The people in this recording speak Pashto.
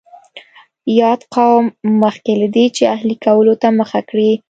یاد قوم مخکې له دې چې اهلي کولو ته مخه کړي.